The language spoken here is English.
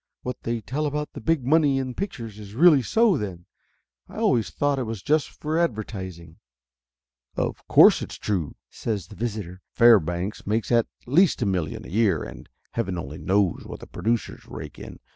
What they 24 Laughter Limited tell about the big money in pictures is really so, then? I always thought it was just for advertising!" "Of course it's true," says the visitor. "Fairbanks makes at least a million a year, and heaven only knows what the producers rake in